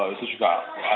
itu juga ada beberapa hal